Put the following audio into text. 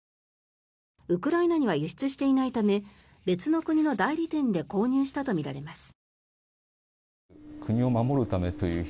ウクライナには輸出していないため別の国の代理店で購入したとみられます。